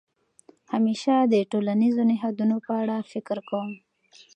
همېشه د ټولنیزو نهادونو په اړه فکر کوم.